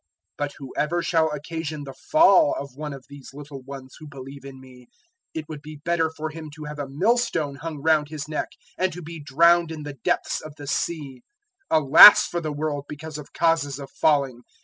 018:006 But whoever shall occasion the fall of one of these little ones who believe in me, it would be better for him to have a millstone hung round his neck and to be drowned in the depths of the sea. 018:007 "Alas for the world because of causes of falling!